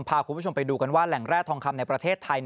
พาคุณผู้ชมไปดูกันว่าแหล่งแร่ทองคำในประเทศไทย